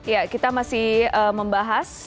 ya kita masih membahas